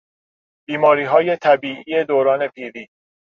بیماریهای طبیعی دوران پیری